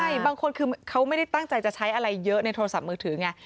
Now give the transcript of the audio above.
ใช่บางคนคือเขาไม่ได้ตั้งใจจะใช้อะไรเยอะในโทรศัพท์มือถือไง